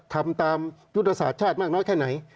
ทำตามยุตภาษาชาติมากน้อยแค่ไหน